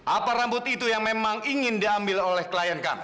apa rambut itu yang memang ingin diambil oleh klien kami